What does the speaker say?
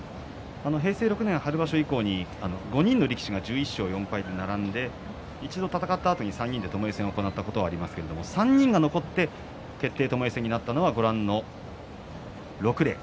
平成６年春場所以降に５人の力士が１１勝４敗で並んで一度戦ったあとに３人でともえ戦を戦ったことがありますが３人が残って決定